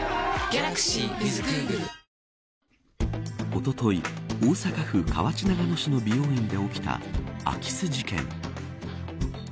おととい、大阪府河内長野市の美容院で起きた空き巣事件。